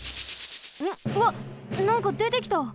うわっなんかでてきた。